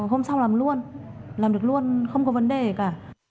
hôm sau làm luôn làm được luôn không có vấn đề gì cả